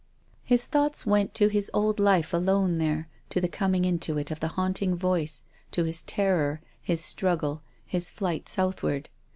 His thoughts went to his old life alone there, to the coming into it of the haunting voice, to his terror, his struggle, his flight southward.